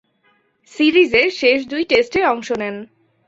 সিরিজের শেষ দুই টেস্টে অংশ নেন।